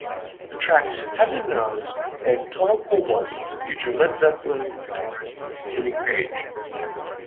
The tracks "Heaven Knows" and "Tall Cool One" feature Led Zeppelin guitarist Jimmy Page.